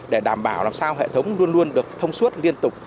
để đảm bảo làm sao hệ thống luôn luôn được thông suốt liên tục